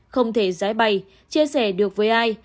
không thể giái bày chia sẻ được với ai